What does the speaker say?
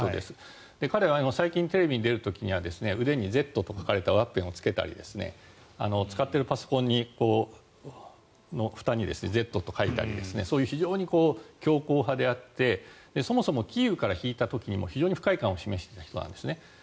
彼は最近、テレビに出る時は腕に「Ｚ」と書いたワッペンをつけたり使っているパソコンのふたに「Ｚ」と書いたり強硬派であってそもそもキーウから引いた時も非常に不快感を示していた人なんですね。